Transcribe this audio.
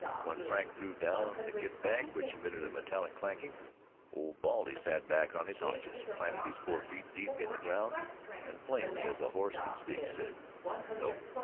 When Frank threw down a kit bag, which emitted a metallic clanking, Old Baldy sat back on his haunches, planted his forefeet deep in the ground and plainly as a horse could speak, said "No!"